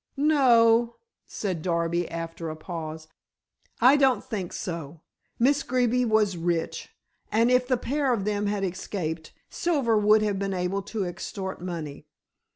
"No," said Darby after a pause, "I don't think so. Miss Greeby was rich, and if the pair of them had escaped Silver would have been able to extort money.